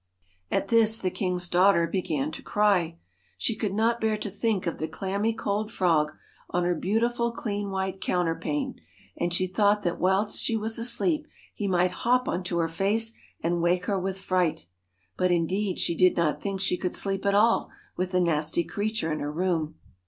At this the king's daughter began to cry. She could not bear to think of the clammy cold frog on her beautiful clean white counterpane, and she thought that whilst she was asleep he might hop on to her face and wake her with fright But indeed she did not think she could sleep at all with the nasty creature in her room.